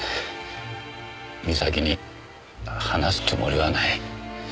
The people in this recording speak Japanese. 美咲に話すつもりはない。